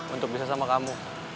untuk bisa sama kamu